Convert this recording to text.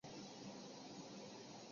与连横往来密切。